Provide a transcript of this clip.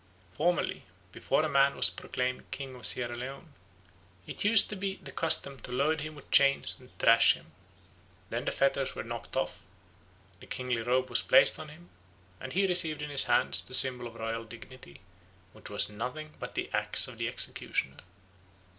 Formerly, before a man was proclaimed king of Sierra Leone, it used to be the custom to load him with chains and thrash him. Then the fetters were knocked off, the kingly robe was placed on him, and he received in his hands the symbol of royal dignity, which was nothing but the axe of the executioner.